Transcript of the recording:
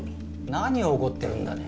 何を怒ってるんだね？